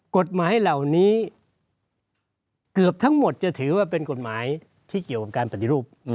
กฎหมายเหล่านี้เกือบทั้งหมดจะถือว่าเป็นกฎหมายที่เกี่ยวกับการปฏิรูป